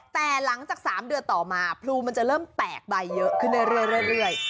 แต่หลังจาก๓เดือนต่อมาพลูมันจะเริ่มแตกใบเยอะขึ้นเรื่อย